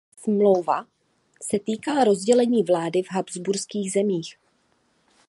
Smlouva se týkala rozdělení vlády v habsburských zemích.